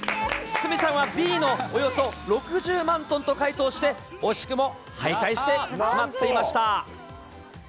鷲見さんはＢのおよそ６０万トンと解答して、惜しくも敗退してしまっていました。